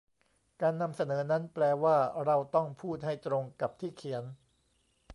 การนำเสนอนั้นแปลว่าเราต้องพูดให้ตรงกับที่เขียน